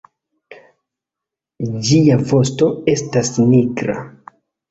Ĝia vosto estas nigra.